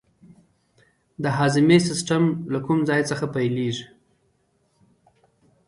د هاضمې سیستم له کوم ځای څخه پیلیږي